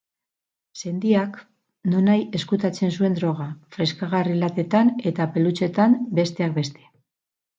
Sendiak nonahi ezkutatzen zuen droga, freskagarri-latetan eta pelutxeetan, besteak beste.